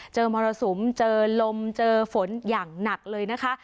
มรสุมเจอลมเจอฝนอย่างหนักเลยนะคะ